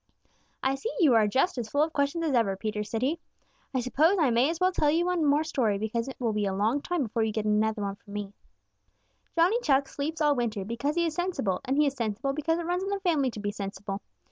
"I see you are just as full of questions as ever, Peter," said he. "I suppose I may as well tell you one more story, because it will be a long time before you will get another from me. Johnny Chuck sleeps all winter because he is sensible, and he is sensible because it runs in the family to be sensible.